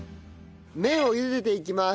麺をゆでていきます。